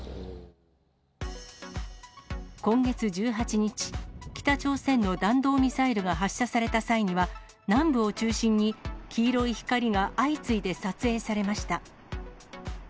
今月１８日、北朝鮮の弾道ミサイルが発射された際には、南部を中心に黄色い光が相次いで撮影されました。